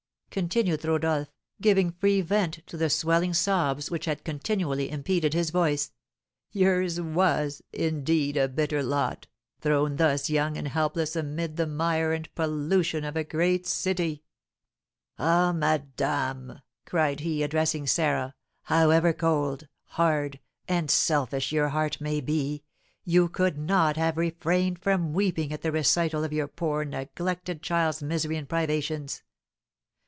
continued Rodolph, giving free vent to the swelling sobs which had continually impeded his voice, "yours was, indeed, a bitter lot, thrown thus young and helpless amid the mire and pollution of a great city! [Illustration: "They Took Her to Their Guilty Haunts" Original Etching by Mercier] "Ah, madame!" cried he, addressing Sarah, "however cold, hard, and selfish your heart may be, you could not have refrained from weeping at the recital of your poor, neglected child's misery and privations!